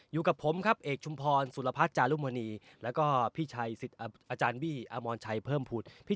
อยู่กับผมครับเอกชุมพรสุรพัฒน์จารุมณีแล้วก็พี่ชัยสิทธิ์อาจารย์บี้อมรชัยเพิ่มพุทธ